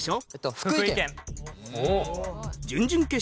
福井県。